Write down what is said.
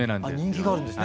人気があるんですね